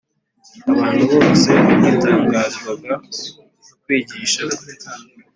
Abantu bose batangazwaga no kwigisha kwe